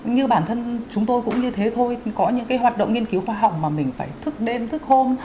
như bản thân chúng tôi cũng như thế thôi có những cái hoạt động nghiên cứu khoa học mà mình phải thức đêm thức hôm